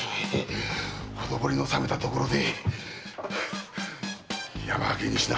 ほとぼりの冷めたところで山分けにしな。